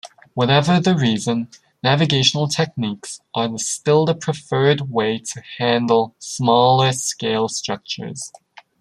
Whatever the reason, navigational techniques are still the preferred way to handle smaller-scale structures.